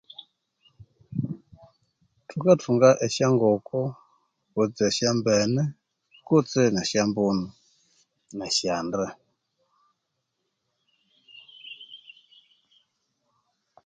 Thukathunga esyangoko kutse esyambene kutse nesyambunu nesyande